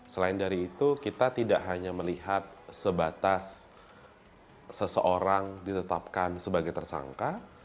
selain dari itu kita tidak hanya melihat sebatas seseorang ditetapkan sebagai tersangka